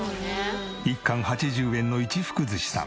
１貫８０円の一福寿しさん